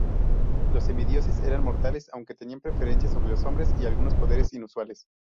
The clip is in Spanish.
Los semidioses eran mortales, aunque tenían preferencia sobre los hombres, y algunos poderes inusuales.